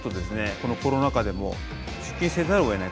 このコロナ禍でも出勤せざるをえない環境なんですよ。